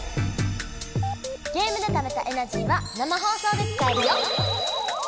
ゲームでためたエナジーは生放送で使えるよ！